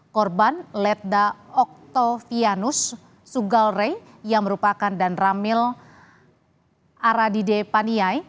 korban letda oktovianus sugalre yang merupakan dan ramil aradide paniai